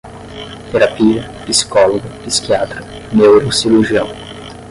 Terapia, psicólogo, psiquiatra, neurocirurgião